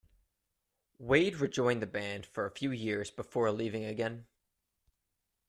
Wade rejoined the band for a few years before leaving again.